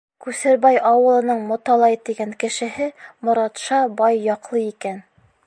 Күсербай ауылының Моталай тигән кешеһе Моратша бай яҡлы икән.